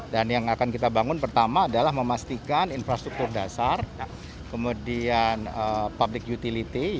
dan yang akan kita bangun pertama adalah memastikan infrastruktur dasar kemudian public utility ya